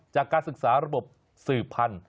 จากการศึกษาระบบสืบพันธุ